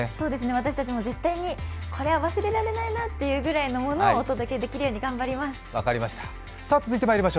私たちも絶対にこれは忘れられないなというものをお届けできるように頑張ります。